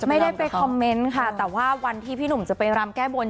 ไม่ได้ไปคอมเมนต์ค่ะแต่ว่าวันที่พี่หนุ่มจะไปรำแก้บน